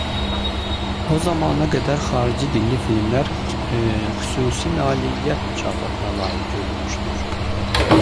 O zamana qədər xarici dilli filmlər Xüsusi Nailiyyət mükafatına layiq görülmüşdür.